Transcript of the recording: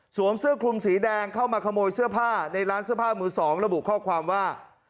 เสื้อคลุมสีแดงเข้ามาขโมยเสื้อผ้าในร้านเสื้อผ้ามือสองระบุข้อความว่า